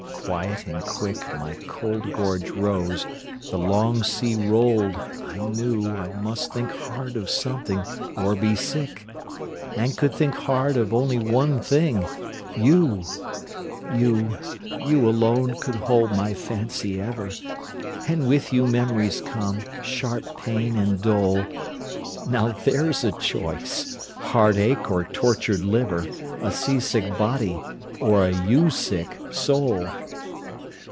Quiet and quick My cold gorge rose; the long sea rolled; I knew I must think hard of something, or be sick; And could think hard of only one thing YOU! You, you alone could hold my fancy ever! And with you memories come, sharp pain, and dole. Now there's a choice heartache or tortured liver! A sea sick body, or a you sick soul!